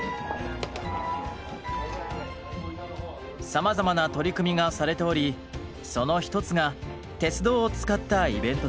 さまざまな取り組みがされておりその一つが鉄道を使ったイベントです。